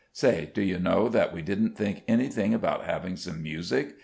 Say; do you know that we didn't think anything about having some music.